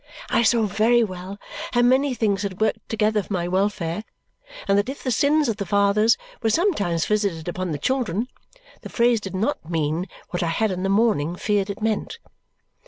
I saw very well how many things had worked together for my welfare, and that if the sins of the fathers were sometimes visited upon the children, the phrase did not mean what I had in the morning feared it meant.